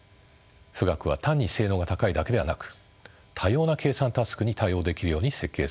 富岳は単に性能が高いだけではなく多様な計算タスクに対応できるように設計されています。